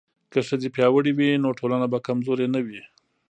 که ښځې پیاوړې وي نو ټولنه به کمزورې نه وي.